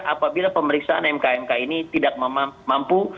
apabila pemeriksaan mkmk ini tidak mampu